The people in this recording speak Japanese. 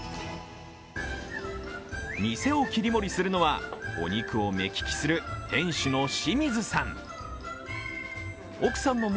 店を切り盛りするのは、お肉を目利きする店主の清水さん。